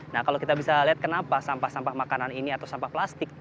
nah kalau kita bisa lihat kenapa sampah sampah makanan ini atau sampah plastik